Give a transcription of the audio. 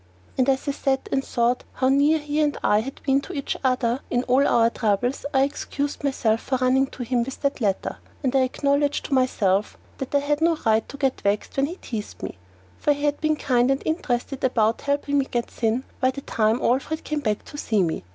And as I sat and thought how near he and I had been to each other in all our troubles, I excused myself for running to him with that letter, and I acknowledged to myself that I had no right to get vexed when he teased me, for he had been kind and interested about helping me get thin by the time Alfred came back to see me.